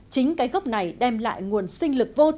chính cái gốc này đem lại nguồn sinh